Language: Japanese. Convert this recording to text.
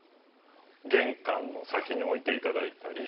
玄関先に置いていただいたり。